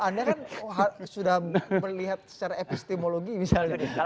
anda kan sudah melihat secara epistemologi misalnya